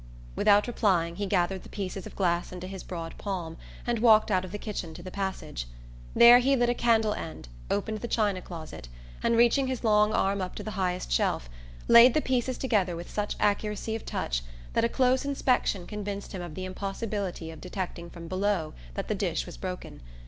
Without replying he gathered the pieces of glass into his broad palm and walked out of the kitchen to the passage. There he lit a candle end, opened the china closet, and, reaching his long arm up to the highest shelf, laid the pieces together with such accuracy of touch that a close inspection convinced him of the impossibility of detecting from below that the dish was broken.